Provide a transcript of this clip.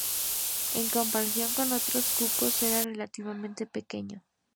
En comparación con otros cucos, era relativamente pequeño.